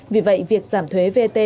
vì vậy việc giảm thuế vat